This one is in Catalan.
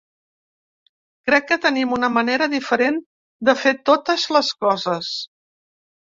Crec que tenim una manera diferent de fer totes les coses.